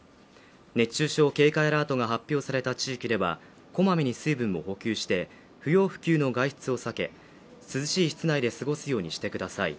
熱中症警戒アラートが発表された地域ではこまめに水分を補給して不要不急の外出を避け涼しい室内で過ごすようにしてください